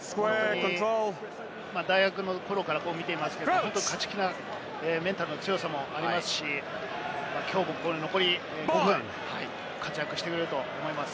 大学の頃から見ていますけれども、本当に勝ち気なメンタルの強さもありますし、きょうも残り５分、活躍してくれると思います。